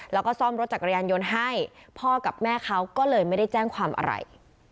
แล้วก็ซ่อมรถจักรยานยนต์ให้พ่อกับแม่เขาก็เลยไม่ได้แจ้งความอะไร